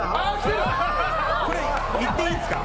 これ、いっていいですか？